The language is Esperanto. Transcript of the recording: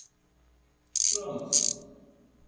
trans